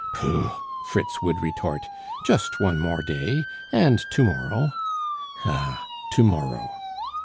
"Pooh!" Fritz would retort, "just one more day, and to morrow"... ah! to morrow.